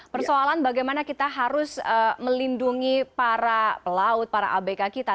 persoalan bagaimana kita harus melindungi para pelaut para abk kita